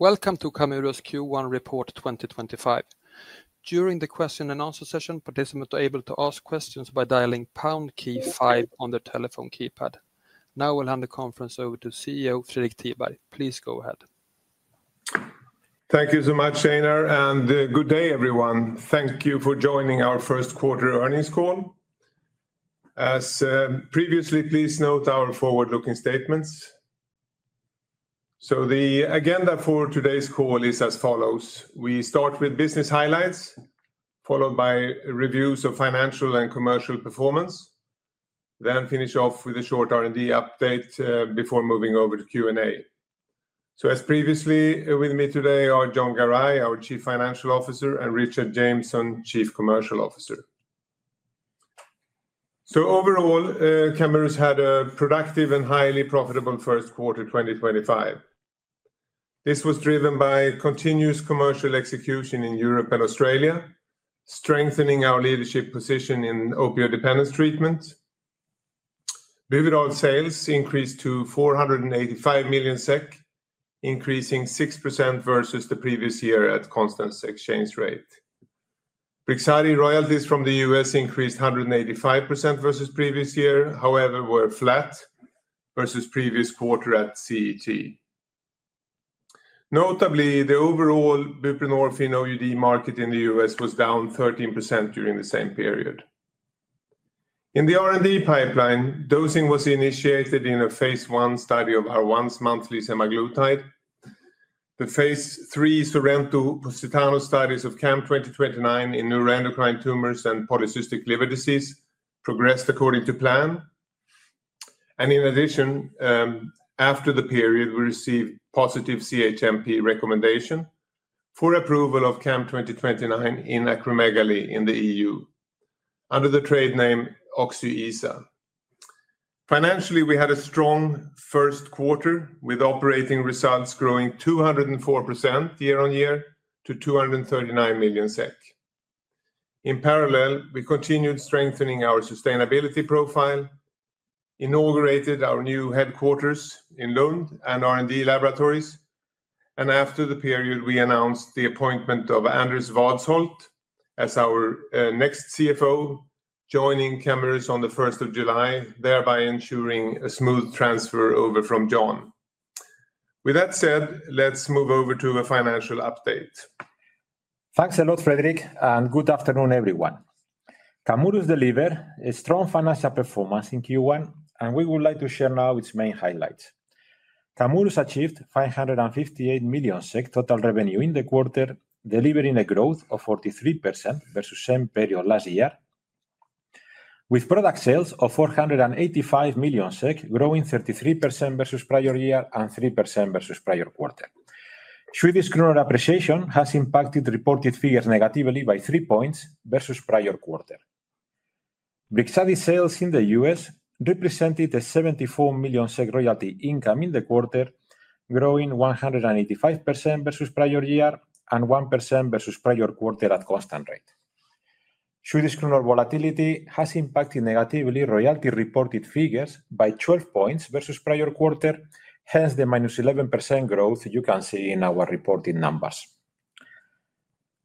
Welcome to Camurus Q1 Report 2025. During the question-and-answer session, participants are able to ask questions by dialing pound key five on their telephone keypad. Now I'll hand the conference over to CEO Fredrik Tiberg. Please go ahead. Thank you so much, Einar, and good day, everyone. Thank you for joining our first quarter earnings call. As previously, please note our forward-looking statements. The agenda for today's call is as follows: we start with business highlights, followed by reviews of financial and commercial performance, then finish off with a short R&D update before moving over to Q&A. As previously, with me today are Jon Garay, our Chief Financial Officer, and Richard Jameson, Chief Commercial Officer. Overall, Camurus had a productive and highly profitable first quarter 2025. This was driven by continuous commercial execution in Europe and Australia, strengthening our leadership position in opioid dependence treatment. Overall, sales increased to 485 million SEK, increasing 6% versus the previous year at constant exchange rate. Brixadi royalties from the U.S. increased 185% versus previous year; however, they were flat versus the previous quarter at constant exchange rate. Notably, the overall buprenorphine OUD market in the U.S. was down 13% during the same period. In the R&D pipeline, dosing was initiated in a phase I study of our once-monthly semaglutide. The phase III SORENTO/POSITANO studies of CAM2029 in neuroendocrine tumors and polycystic liver disease progressed according to plan. In addition, after the period, we received positive CHMP recommendation for approval of CAM2029 in acromegaly in the EU under the trade name Oczyesa. Financially, we had a strong first quarter with operating results growing 204% year on year to 239 million SEK. In parallel, we continued strengthening our sustainability profile, inaugurated our new headquarters in Lund and R&D laboratories, and after the period, we announced the appointment of Anders Vadsholt as our next CFO, joining Camurus on the 1st of July, thereby ensuring a smooth transfer over from Jon. With that said, let's move over to a financial update. Thanks a lot, Fredrik, and good afternoon, everyone. Camurus delivered a strong financial performance in Q1, and we would like to share now its main highlights. Camurus achieved 558 million SEK total revenue in the quarter, delivering a growth of 43% versus the same period last year, with product sales of 485 million SEK, growing 33% versus the prior year and 3% versus the prior quarter. Swedish krona appreciation has impacted reported figures negatively by three percentage points versus the prior quarter. Brixadi sales in the U.S. represented a 74 million SEK royalty income in the quarter, growing 185% versus the prior year and 1% versus the prior quarter at constant rate. Swedish krona volatility has impacted negatively royalty reported figures by 12 percentage points versus the prior quarter, hence the minus 11% growth you can see in our reported numbers.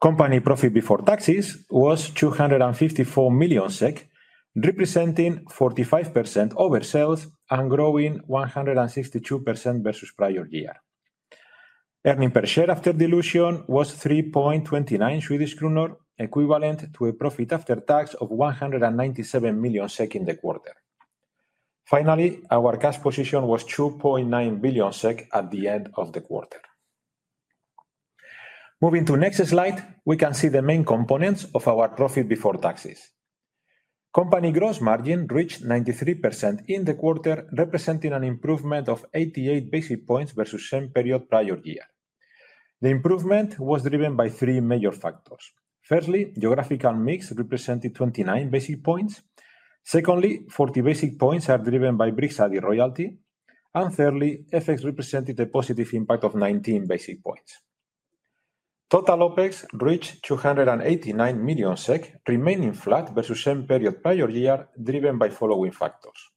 Company profit before taxes was 254 million SEK, representing 45% over sales and growing 162% versus the prior year. Earnings per share after dilution was 3.29 Swedish kronor, equivalent to a profit after tax of 197 million SEK in the quarter. Finally, our cash position was 2.9 billion SEK at the end of the quarter. Moving to the next slide, we can see the main components of our profit before taxes. Company gross margin reached 93% in the quarter, representing an improvement of 88 basis points versus the same period prior year. The improvement was driven by three major factors. Firstly, geographical mix represented 29 basis points. Secondly, 40 basis points are driven by Brixadi royalty. Thirdly, FX represented a positive impact of 19 basis points. Total OpEx reached 289 million SEK, remaining flat versus the same period prior year, driven by the following factors: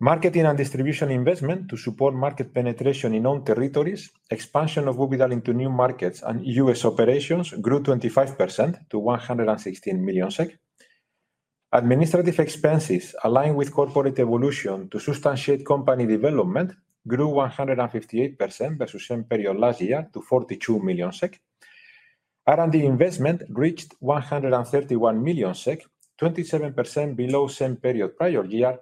marketing and distribution investment to support market penetration in own territories, expansion of Buvidal into new markets, and U.S. operations grew 25% to 116 million SEK. Administrative expenses aligned with corporate evolution to substantiate company development grew 158% versus the same period last year to 42 million SEK. R&D investment reached 131 million SEK, 27% below the same period prior year,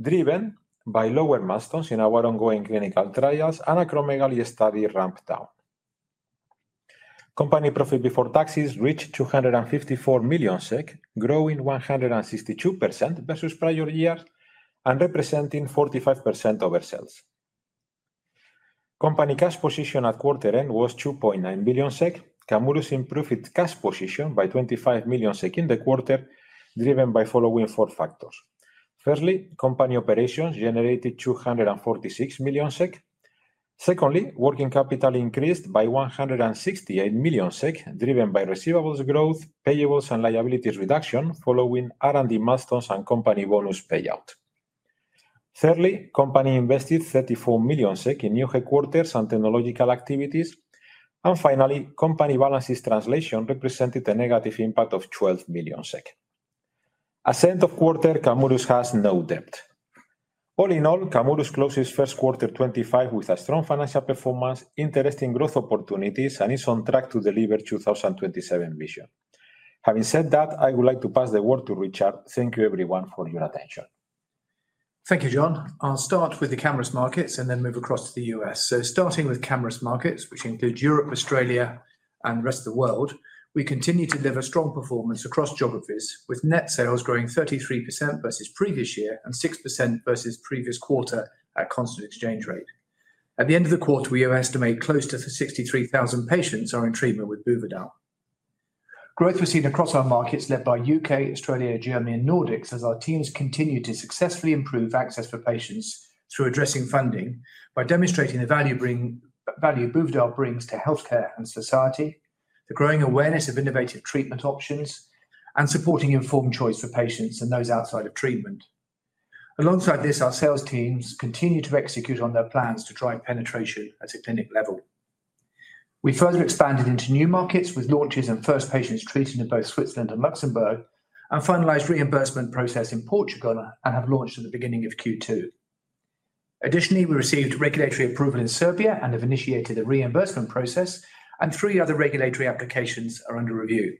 driven by lower milestones in our ongoing clinical trials and acromegaly study ramp-down. Company profit before taxes reached 254 million SEK, growing 162% versus the prior year and representing 45% over sales. Company cash position at quarter end was 2.9 billion SEK. Camurus improved its cash position by 25 million SEK in the quarter, driven by the following four factors. Firstly, company operations generated 246 million SEK. Secondly, working capital increased by 168 million SEK, driven by receivables growth, payables, and liabilities reduction following R&D milestones and company bonus payout. Thirdly, company invested 34 million SEK in new headquarters and technological activities. Finally, company balance sheet translation represented a negative impact of 12 million. At the end of the quarter, Camurus has no debt. All in all, Camurus closed its first quarter 2025 with a strong financial performance, interesting growth opportunities, and is on track to deliver the 2027 vision. Having said that, I would like to pass the word to Richard. Thank you, everyone, for your attention. Thank you, Jon. I'll start with the Camurus markets and then move across to the U.S.. Starting with Camurus markets, which include Europe, Australia, and the rest of the world, we continue to deliver strong performance across geographies, with net sales growing 33% versus previous year and 6% versus previous quarter at constant exchange rate. At the end of the quarter, we estimate close to 63,000 patients are in treatment with Buvidal. Growth was seen across our markets, led by U.K., Australia, Germany, and Nordics, as our teams continue to successfully improve access for patients through addressing funding by demonstrating the value Buvidal brings to healthcare and society, the growing awareness of innovative treatment options, and supporting informed choice for patients and those outside of treatment. Alongside this, our sales teams continue to execute on their plans to drive penetration at a clinic level. We further expanded into new markets with launches and first patients treated in both Switzerland and Luxembourg, and finalized the reimbursement process in Portugal and have launched at the beginning of Q2. Additionally, we received regulatory approval in Serbia and have initiated the reimbursement process, and three other regulatory applications are under review.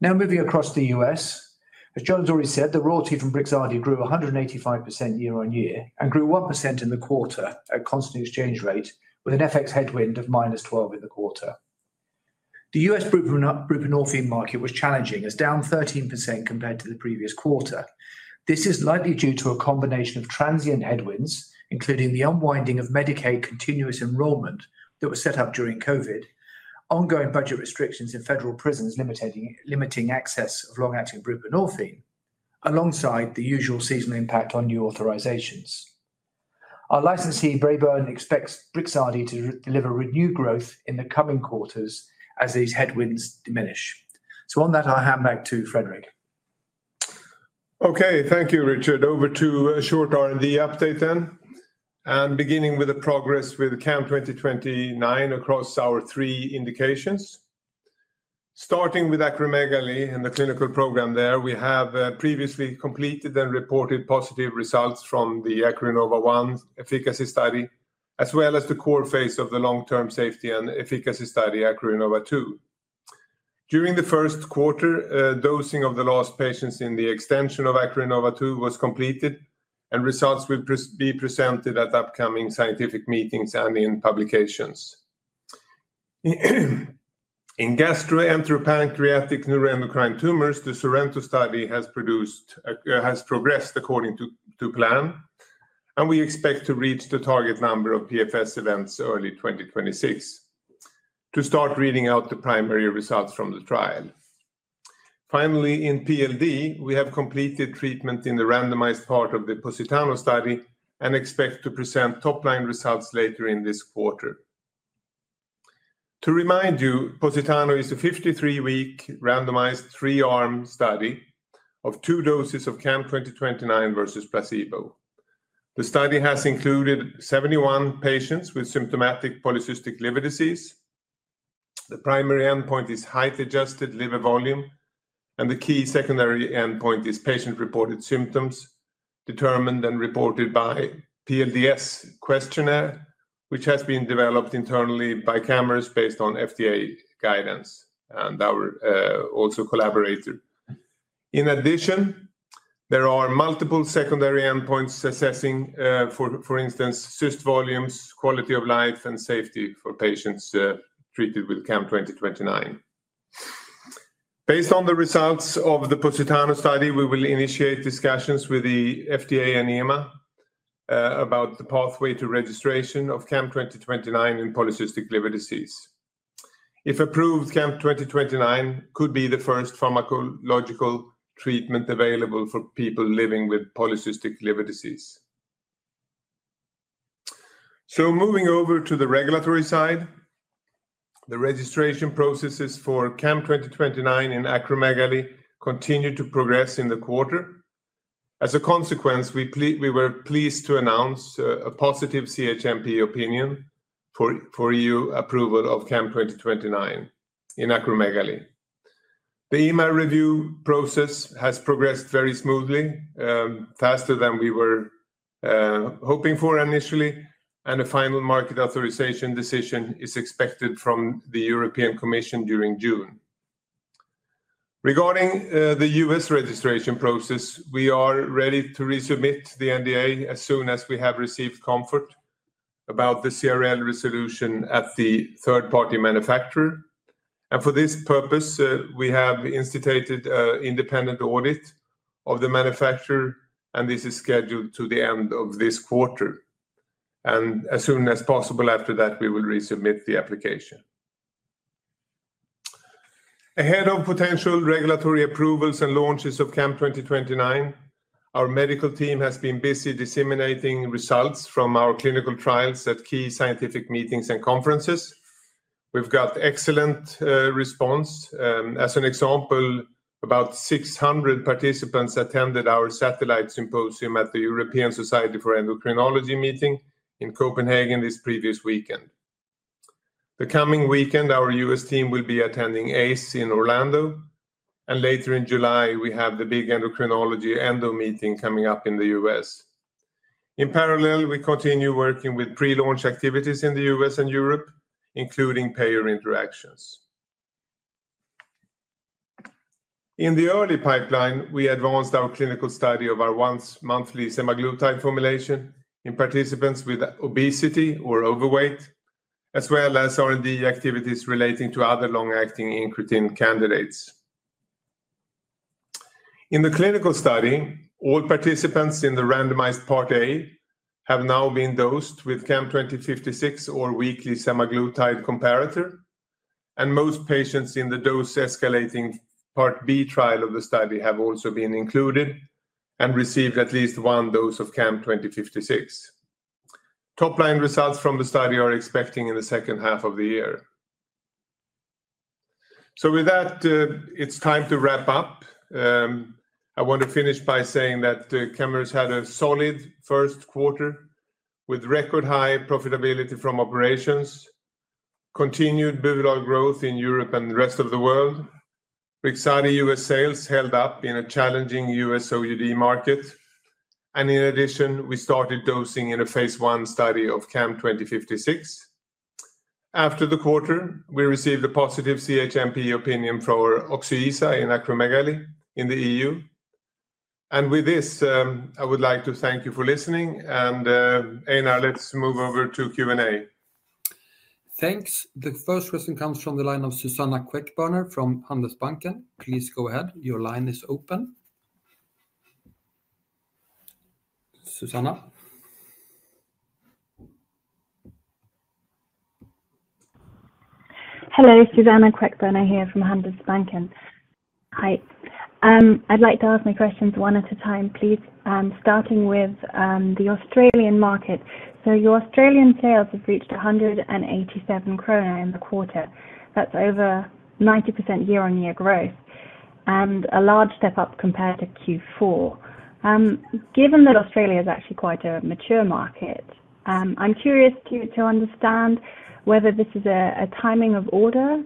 Now moving across the U.S., as Jon has already said, the royalty from Brixadi grew 185% year on year and grew 1% in the quarter at constant exchange rate, with an FX headwind of -12% in the quarter. The U.S. buprenorphine market was challenging, as down 13% compared to the previous quarter. This is likely due to a combination of transient headwinds, including the unwinding of Medicaid continuous enrollment that was set up during COVID, ongoing budget restrictions in federal prisons limiting access of long-acting buprenorphine, alongside the usual seasonal impact on new authorizations. Our licensee, Braeburn, expects Brixadi to deliver renewed growth in the coming quarters as these headwinds diminish. On that, I'll hand back to Fredrik. Okay, thank you, Richard. Over to a short R&D update then, and beginning with the progress with CAM2029 across our three indications. Starting with acromegaly in the clinical program there, we have previously completed and reported positive results from the ACROINNOVA 1 efficacy study, as well as the core phase of the long-term safety and efficacy study, ACROINNOVA 2. During the first quarter, dosing of the last patients in the extension of ACROINNOVA 2 was completed, and results will be presented at upcoming scientific meetings and in publications. In gastroenteropancreatic neuroendocrine tumors, the SORENTO study has progressed according to plan, and we expect to reach the target number of PFS events early 2026 to start reading out the primary results from the trial. Finally, in PLD, we have completed treatment in the randomized part of the POSITANO study and expect to present top-line results later in this quarter. To remind you, POSITANO is a 53-week randomized three-arm study of two doses of CAM2029 versus placebo. The study has included 71 patients with symptomatic polycystic liver disease. The primary endpoint is height-adjusted liver volume, and the key secondary endpoint is patient-reported symptoms determined and reported by PLD-S questionnaire, which has been developed internally by Camurus based on FDA guidance and our also collaborator. In addition, there are multiple secondary endpoints assessing, for instance, cyst volumes, quality of life, and safety for patients treated with CAM2029. Based on the results of the POSITANO study, we will initiate discussions with the FDA and EMA about the pathway to registration of CAM2029 in polycystic liver disease. If approved, CAM2029 could be the first pharmacological treatment available for people living with polycystic liver disease. Moving over to the regulatory side, the registration processes for CAM2029 in acromegaly continue to progress in the quarter. As a consequence, we were pleased to announce a positive CHMP opinion for EU approval of CAM2029 in acromegaly. The EMA review process has progressed very smoothly, faster than we were hoping for initially, and a final market authorization decision is expected from the European Commission during June. Regarding the U.S. registration process, we are ready to resubmit the NDA as soon as we have received comfort about the CRL resolution at the third-party manufacturer. For this purpose, we have instituted an independent audit of the manufacturer, and this is scheduled to the end of this quarter. As soon as possible after that, we will resubmit the application. Ahead of potential regulatory approvals and launches of CAM2029, our medical team has been busy disseminating results from our clinical trials at key scientific meetings and conferences. We've got excellent response. As an example, about 600 participants attended our satellite symposium at the European Society for Endocrinology meeting in Copenhagen this previous weekend. The coming weekend, our U.S. team will be attending AACE in Orlando, and later in July, we have the big endocrinology ENDO meeting coming up in the U.S.. In parallel, we continue working with pre-launch activities in the U.S. and Europe, including payer interactions. In the early pipeline, we advanced our clinical study of our once-monthly semaglutide formulation in participants with obesity or overweight, as well as R&D activities relating to other long-acting incretin candidates. In the clinical study, all participants in the randomized part A have now been dosed with CAM2056 or weekly semaglutide comparator, and most patients in the dose-escalating part B trial of the study have also been included and received at least one dose of CAM2056. Top-line results from the study are expected in the second half of the year. With that, it's time to wrap up. I want to finish by saying that Camurus had a solid first quarter with record-high profitability from operations, continued Buvidal growth in Europe and the rest of the world. Brixadi U.S. sales held up in a challenging U.S. OUD market, and in addition, we started dosing in a phase I study of CAM2056. After the quarter, we received a positive CHMP opinion for Oczyesa in acromegaly in the EU. With this, I would like to thank you for listening, and Einar, let's move over to Q&A. Thanks. The first question comes from the line of Suzanna Queckbörner from Handelsbanken. Please go ahead. Your line is open. Suzanna. Hello, Suzanna Queckbörner here from Handelsbanken. Hi. I'd like to ask my questions one at a time, please, starting with the Australian market. Your Australian sales have reached 187 million krona in the quarter. That's over 90% year-on-year growth and a large step up compared to Q4. Given that Australia is actually quite a mature market, I'm curious to understand whether this is a timing of order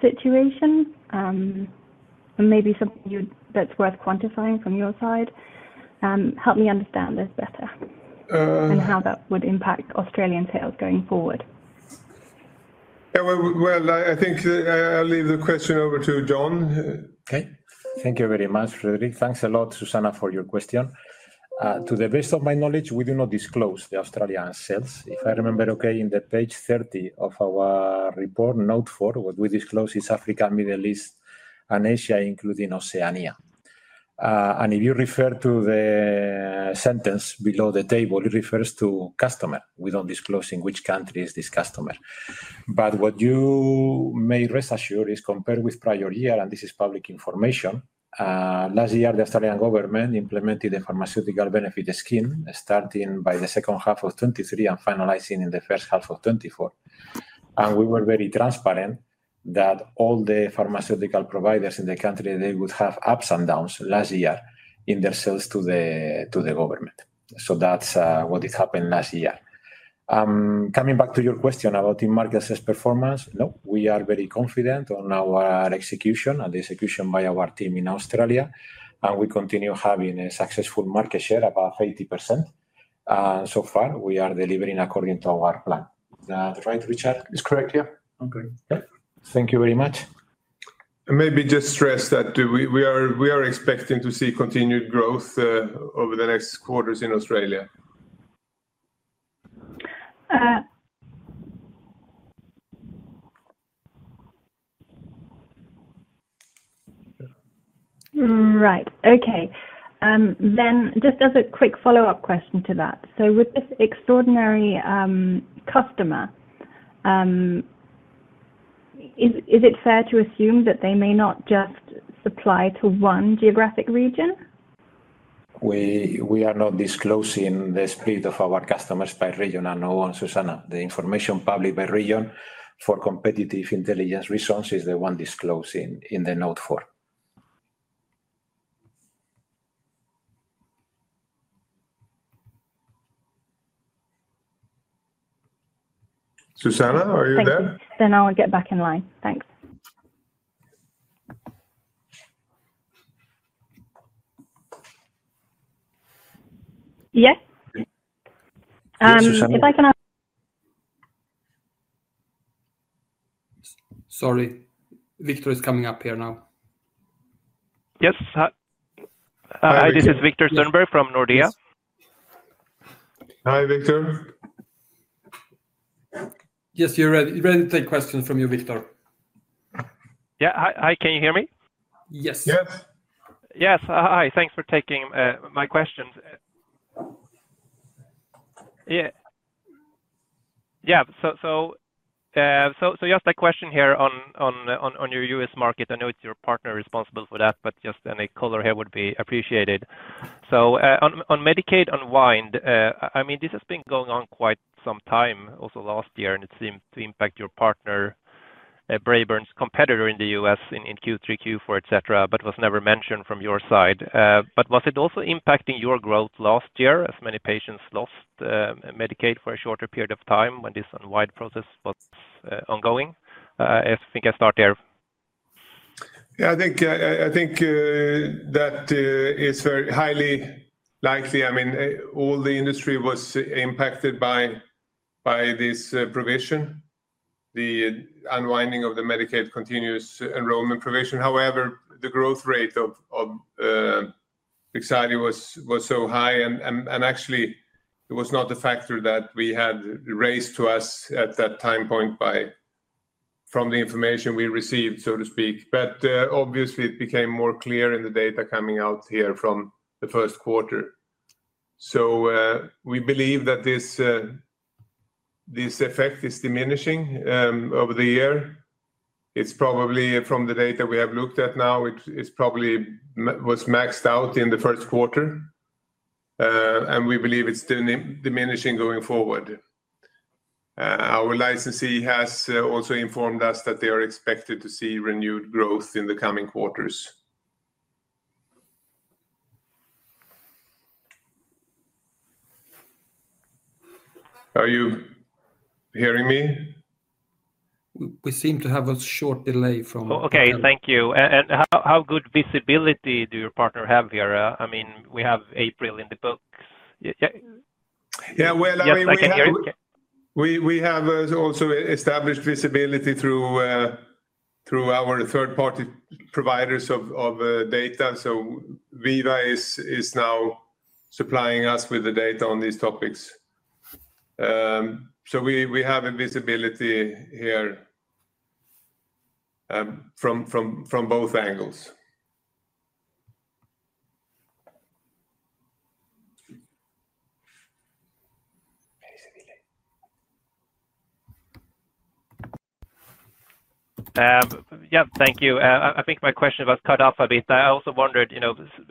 situation and maybe something that's worth quantifying from your side. Help me understand this better and how that would impact Australian sales going forward. I think I'll leave the question over to Jon. Okay. Thank you very much, Fredrik. Thanks a lot, Suzanna, for your question. To the best of my knowledge, we do not disclose the Australian sales. If I remember okay, in the page 30 of our report, note for what we disclose is Africa, Middle East, and Asia, including Oceania. If you refer to the sentence below the table, it refers to customer. We do not disclose in which country is this customer. What you may rest assured is compared with prior year, and this is public information. Last year, the Australian government implemented the Pharmaceutical Benefits Scheme starting by the second half of 2023 and finalizing in the first half of 2024. We were very transparent that all the pharmaceutical providers in the country, they would have ups and downs last year in their sales to the government. That is what happened last year. Coming back to your question about the market's performance, no, we are very confident on our execution and the execution by our team in Australia. We continue having a successful market share of about 80%. So far, we are delivering according to our plan. Is that right, Richard? That's correct, yeah. Okay. Thank you very much. Maybe just stress that we are expecting to see continued growth over the next quarters in Australia. Right. Okay. Just as a quick follow-up question to that, with this extraordinary customer, is it fair to assume that they may not just supply to one geographic region? We are not disclosing the split of our customers by region. I know, Suzanna, the information published by region for competitive intelligence reasons is the one disclosing in the note for. Suzanna, are you there? Okay. I'll get back in line. Thanks. Yes? Suzanna. If I can ask. Sorry. Victor is coming up here now. Yes. Hi. This is Victor Sternberg from Nordea. Hi, Victor. Yes, you're ready. Ready to take questions from you, Victor. Yeah. Hi. Can you hear me? Yes. Yes. Yes. Hi. Thanks for taking my questions. Yeah. Just a question here on your U.S. market. I know it's your partner responsible for that, but just any color here would be appreciated. On Medicaid unwind, I mean, this has been going on quite some time, also last year, and it seemed to impact your partner, Braeburn's competitor in the U.S. in Q3, Q4, etc., but was never mentioned from your side. Was it also impacting your growth last year as many patients lost Medicaid for a shorter period of time when this unwind process was ongoing? I think I start there. Yeah, I think that is very highly likely. I mean, all the industry was impacted by this provision, the unwinding of the Medicaid continuous enrollment provision. However, the growth rate of Brixadi was so high, and actually, it was not a factor that we had raised to us at that time point from the information we received, so to speak. Obviously, it became more clear in the data coming out here from the first quarter. We believe that this effect is diminishing over the year. It's probably from the data we have looked at now, it probably was maxed out in the first quarter, and we believe it's diminishing going forward. Our licensee has also informed us that they are expected to see renewed growth in the coming quarters. Are you hearing me? We seem to have a short delay. Okay. Thank you. How good visibility do your partner have here? I mean, we have April in the books. Yeah. I mean, we have also established visibility through our third-party providers of data. So Viva is now supplying us with the data on these topics. We have visibility here from both angles. Yeah. Thank you. I think my question was cut off a bit. I also wondered,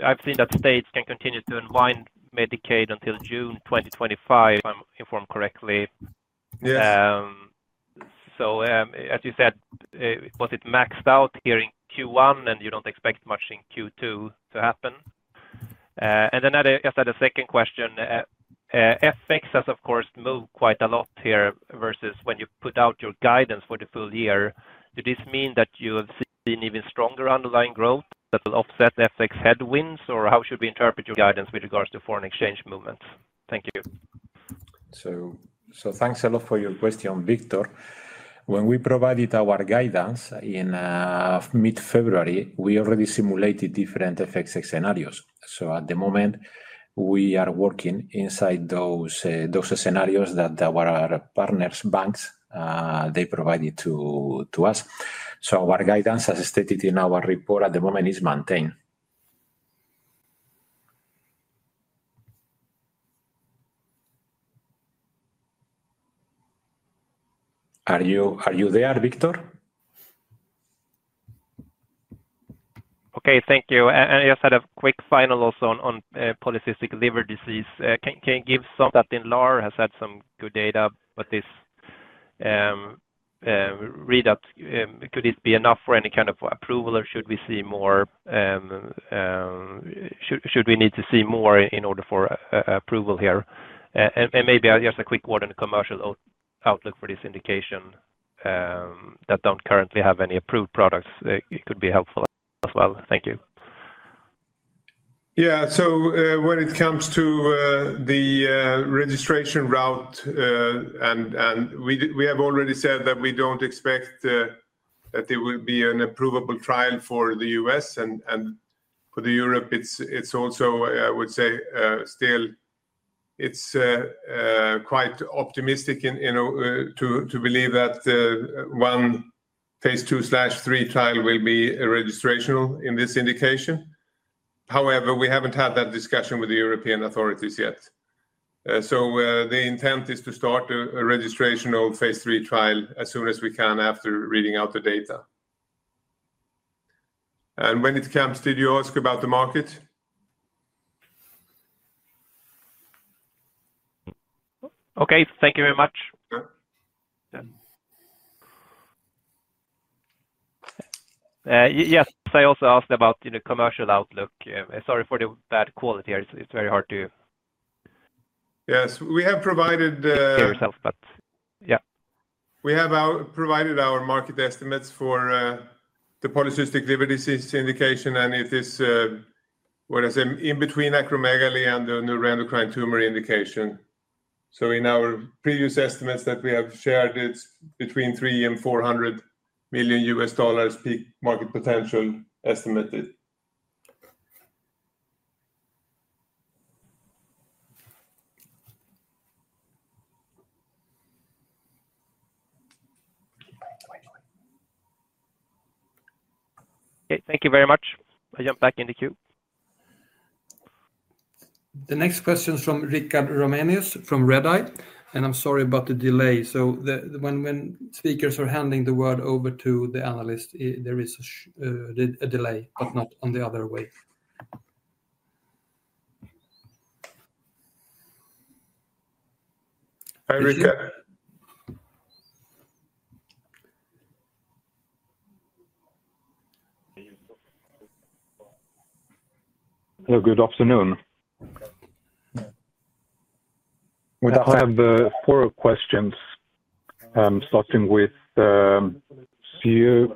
I've seen that states can continue to unwind Medicaid until June 2025, if I'm informed correctly. As you said, was it maxed out here in Q1, and you don't expect much in Q2 to happen? Just as a second question, FX has, of course, moved quite a lot here versus when you put out your guidance for the full year. Does this mean that you have seen even stronger underlying growth that will offset FX headwinds, or how should we interpret your guidance with regards to foreign exchange movements? Thank you. Thanks a lot for your question, Victor. When we provided our guidance in mid-February, we already simulated different FX scenarios. At the moment, we are working inside those scenarios that our partners, banks, provided to us. Our guidance, as stated in our report, at the moment is maintained. Are you there, Victor? Okay. Thank you. Just a quick final also on polycystic liver disease. Can you give that in LAR has had some good data, but this read-up, could it be enough for any kind of approval, or should we see more? Should we need to see more in order for approval here? Maybe just a quick word on the commercial outlook for this indication that does not currently have any approved products. It could be helpful as well. Thank you. Yeah. When it comes to the registration route, we have already said that we do not expect that there will be an approvable trial for the U.S. and for Europe. It is also, I would say, still quite optimistic to believe that one phase two/three trial will be registrational in this indication. However, we have not had that discussion with the European authorities yet. The intent is to start a registrational phase three trial as soon as we can after reading out the data. When it comes to your ask about the market. Okay. Thank you very much. Yes. I also asked about the commercial outlook. Sorry for the bad quality. It's very hard to. Yes. We have provided. Yeah. We have provided our market estimates for the polycystic liver disease indication, and it is, what I say, in between acromegaly and the neuroendocrine tumor indication. So in our previous estimates that we have shared, it's between $300 million and $400 million peak market potential estimated. Okay. Thank you very much. I jump back into Q. The next question is from Richard Ramanius from Redeye. I'm sorry about the delay. When speakers are handing the word over to the analyst, there is a delay, but not the other way. Hi, Richard. Good afternoon. We have four questions, starting with CU.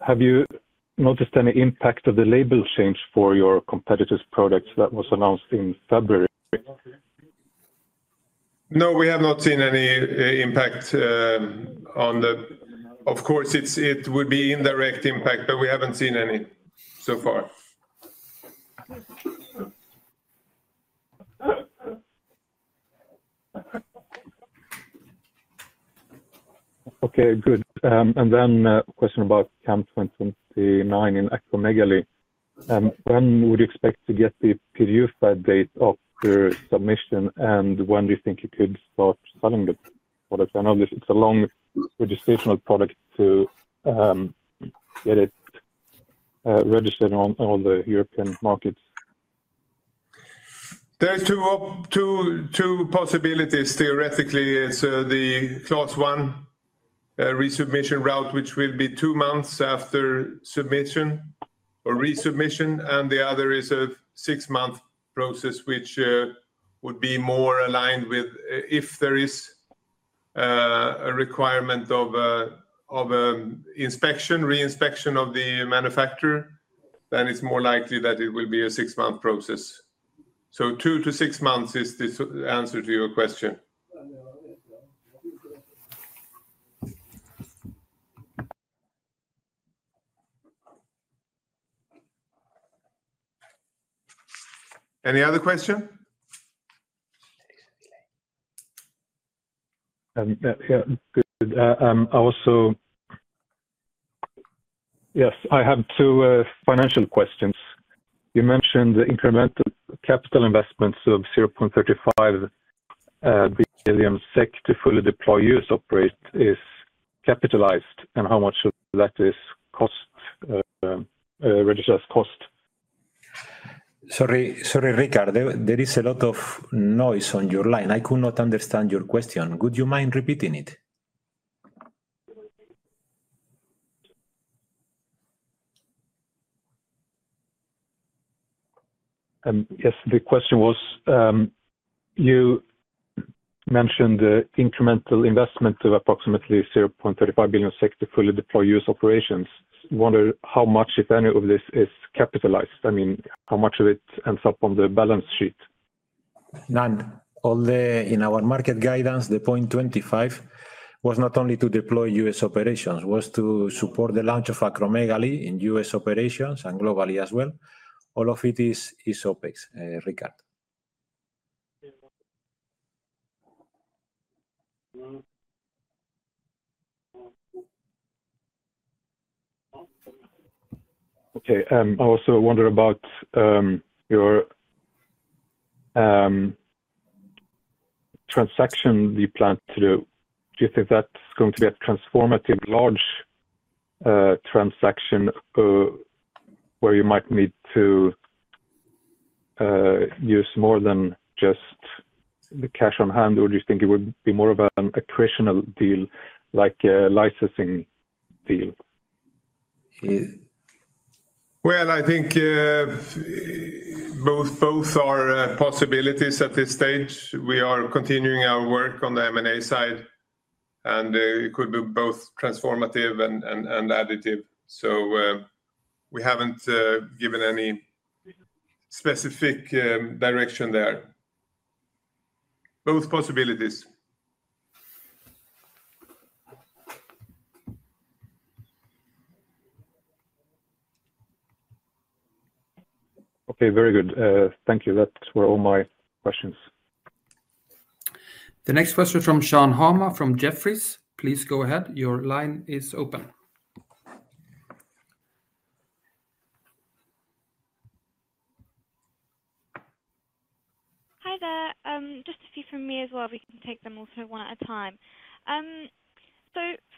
Have you noticed any impact of the label change for your competitor's products that was announced in February? No, we have not seen any impact on the. Of course, it would be an indirect impact, but we haven't seen any so far. Okay. Good. A question about CAM2029 in acromegaly. When would you expect to get the PDF date of submission, and when do you think you could start selling it? I know it's a long registrational product to get it registered on all the European markets. There are two possibilities theoretically. It is the class one resubmission route, which will be two months after submission or resubmission. The other is a six-month process, which would be more aligned with if there is a requirement of inspection, reinspection of the manufacturer, then it is more likely that it will be a six-month process. Two to six months is the answer to your question. Any other question? Yeah. Good. Also, yes, I have two financial questions. You mentioned the incremental capital investments of 0.35 billion SEK to fully deploy U.S. operate is capitalized, and how much of that is registrar's cost? Sorry, Richard, there is a lot of noise on your line. I could not understand your question. Would you mind repeating it? Yes. The question was, you mentioned the incremental investment of approximately 0.35 billion SEK to fully deploy U.S. operations. I wonder how much, if any, of this is capitalized. I mean, how much of it ends up on the balance sheet? None. In our market guidance, the 0.25 billion was not only to deploy U.S. operations, was to support the launch of acromegaly in U.S. operations and globally as well. All of it is OpEx, Richard. Okay. I also wonder about your transaction you plan to do. Do you think that's going to be a transformative large transaction where you might need to use more than just the cash on hand, or do you think it would be more of an operational deal, like a licensing deal? I think both are possibilities at this stage. We are continuing our work on the M&A side, and it could be both transformative and additive. We have not given any specific direction there. Both possibilities. Okay. Very good. Thank you. That were all my questions. The next question is from Sean Homer from Jefferies. Please go ahead. Your line is open. Hi there. Just a few from me as well. We can take them also one at a time.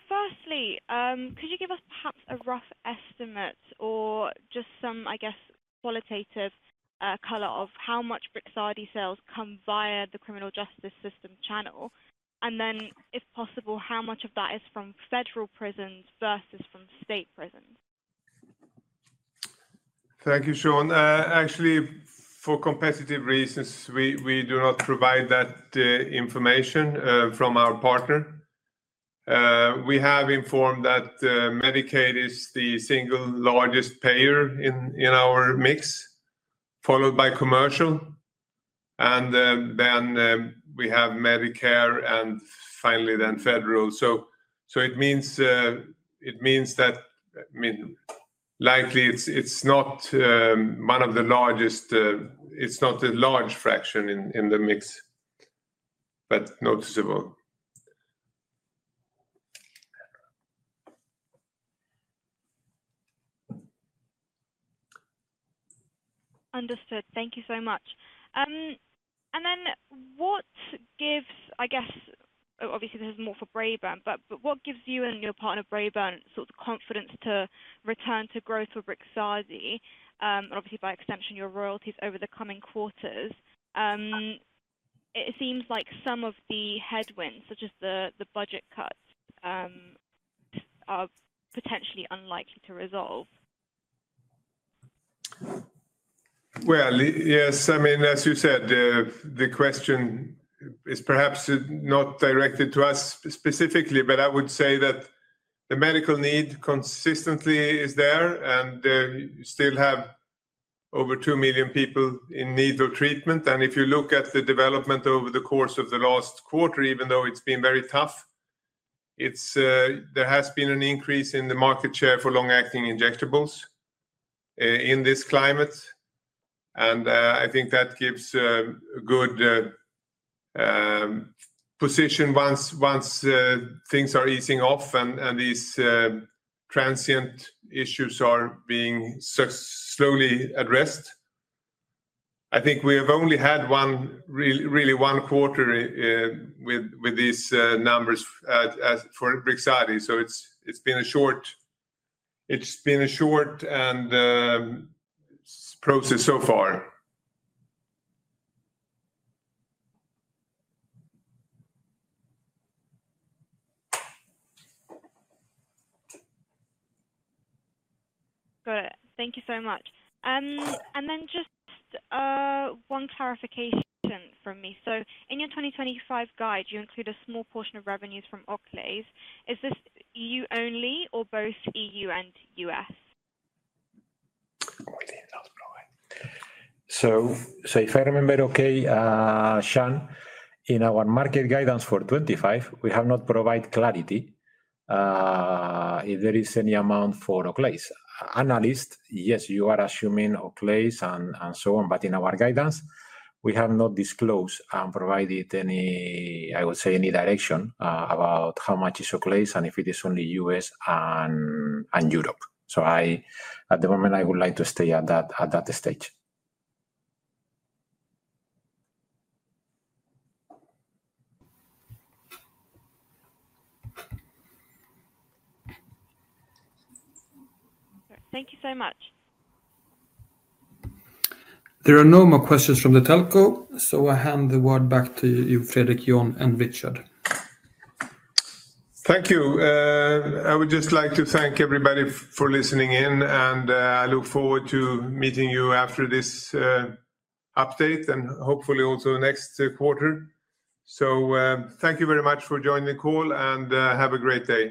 Firstly, could you give us perhaps a rough estimate or just some, I guess, qualitative color of how much Brixadi sales come via the criminal justice system channel? If possible, how much of that is from federal prisons versus from state prisons? Thank you, Sean. Actually, for competitive reasons, we do not provide that information from our partner. We have informed that Medicaid is the single largest payer in our mix, followed by commercial, and then we have Medicare, and finally, then federal. It means that, I mean, likely, it is not one of the largest; it is not a large fraction in the mix, but noticeable. Understood. Thank you so much. What gives, I guess, obviously, this is more for Braeburn, but what gives you and your partner, Braeburn, sort of confidence to return to growth for Brixadi, and obviously, by extension, your royalties over the coming quarters? It seems like some of the headwinds, such as the budget cuts, are potentially unlikely to resolve. Yes. I mean, as you said, the question is perhaps not directed to us specifically, but I would say that the medical need consistently is there, and you still have over 2 million people in need of treatment. If you look at the development over the course of the last quarter, even though it's been very tough, there has been an increase in the market share for long-acting injectables in this climate. I think that gives a good position once things are easing off and these transient issues are being slowly addressed. I think we have only had really one quarter with these numbers for Brixadi. It's been a short process so far. Got it. Thank you so much. Just one clarification from me. In your 2025 guide, you include a small portion of revenues from Oakley. Is this EU only or both EU and U.S.? If I remember okay, Sean, in our market guidance for 2025, we have not provided clarity if there is any amount for Oakley. Analyst, yes, you are assuming Oakley and so on, but in our guidance, we have not disclosed and provided any, I would say, any direction about how much is Oakley and if it is only U.S. and Europe. At the moment, I would like to stay at that stage. Thank you so much. There are no more questions from the telco. So I hand the word back to you, Fredrik, Jon, and Richard. Thank you. I would just like to thank everybody for listening in, and I look forward to meeting you after this update and hopefully also next quarter. Thank you very much for joining the call, and have a great day.